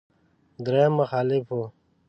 درېيم مخالف و.